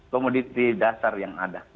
komoditi dasar yang ada